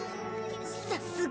さすが。